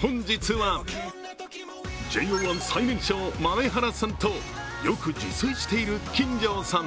本日は、ＪＯ１最年少豆原さんとよく自炊している金城さん。